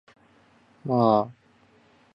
ぁー